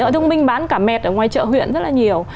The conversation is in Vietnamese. thông minh bán cả mẹt ở ngoài chợ huyện rất là nhiều